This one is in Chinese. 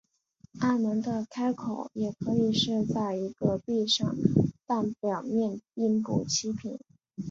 暗门的开口也可以是在一个壁上但表面并不齐平。